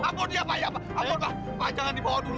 amon ya ampun pak jangan dibawa dulu